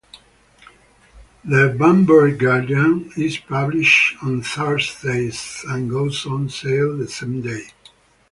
The "Banbury Guardian" is published on Thursdays and goes on sale the same day.